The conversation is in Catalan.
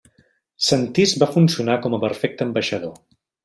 Sentís va funcionar com a perfecte ambaixador.